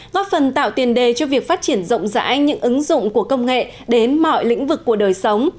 góp phần tạo tiền đề cho việc phát triển rộng rãi những ứng dụng của công nghệ đến mọi lĩnh vực của đời sống